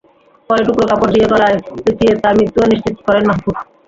পরে টুকরা কাপড় দিয়ে গলায় পেঁচিয়ে তাঁর মৃত্যুও নিশ্চিত করেন মাহফুজ।